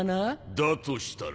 だとしたら？